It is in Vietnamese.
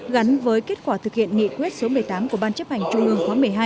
gắn với kết quả thực hiện nghị quyết số một mươi tám của ban chấp hành trung ương khóa một mươi hai